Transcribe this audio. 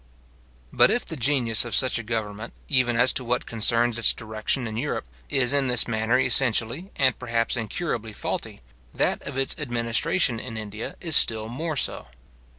But if the genius of such a government, even as to what concerns its direction in Europe, is in this manner essentially, and perhaps incurably faulty, that of its administration in India is still more so.